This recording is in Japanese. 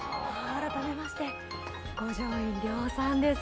改めまして、五条院凌さんです。